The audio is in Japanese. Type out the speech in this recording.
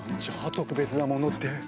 特別なものって。